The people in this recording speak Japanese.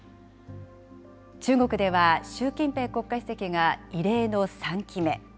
中国では習近平国家主席が異例の３期目。